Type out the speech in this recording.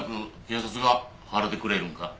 警察が払うてくれるんか？